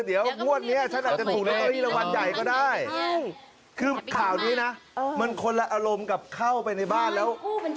เดี๋ยววันนี้ฉันอาจจะถูกเบอร์ก็ได้คือข่าวนี้นะมันคนละอารมณ์กับเข้าไปในบ้านแล้ว